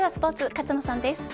勝野さんです。